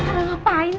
kenapa lu run